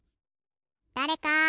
だれか！